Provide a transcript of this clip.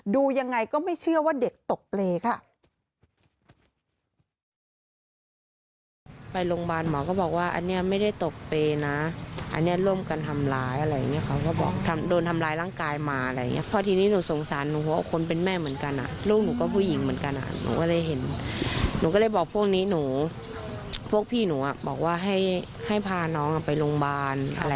ดูยังไงก็ไม่เชื่อว่าเด็กตกเปรย์ค่ะ